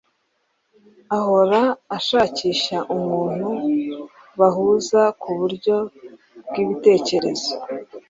ahora ashakisha umuntu bahuza mu buryo bw'ibitekerezo